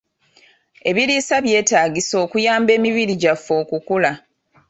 Ebiriisa byetaagisa okuyamba emibiri gyaffe okukula.